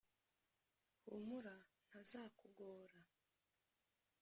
humura ntazakugora,